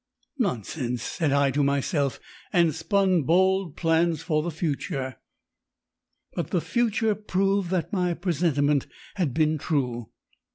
Nonsense, said I to myself, and spun bold plans for the future.... But the future proved that my presentiment had been true.